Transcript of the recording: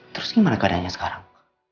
terus gimana keadaannya sekarang